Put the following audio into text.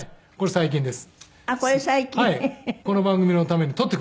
最近です。